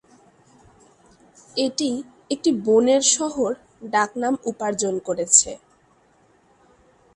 এটি "একটি বনের শহর" ডাকনাম উপার্জন করেছে।